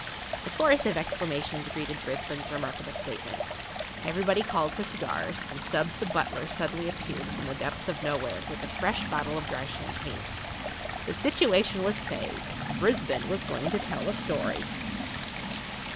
A chorus of exclamations greeted Brisbane's remarkable statement. Everybody called for cigars, and Stubbs the butler suddenly appeared from the depths of nowhere with a fresh bottle of dry champagne. The situation[Pg 9] was saved; Brisbane was going to tell a story.